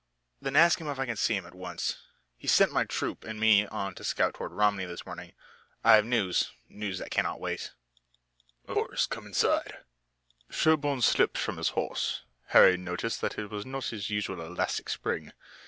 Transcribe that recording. "Then ask him if I can see him at once. He sent my troop and me on a scout toward Romney this morning. I have news, news that cannot wait." "Of course, he'll see you. Come inside." Sherburne slipped from his horse. Harry noticed that it was not his usual elastic spring.